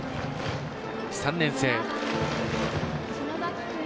３年生。